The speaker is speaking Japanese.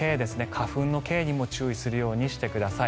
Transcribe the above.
花粉のＫにも注意するようにしてください。